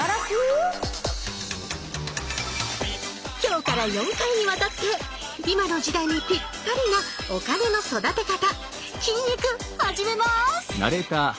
今日から４回にわたって今の時代にぴったりなお金の育て方「金育」始めます。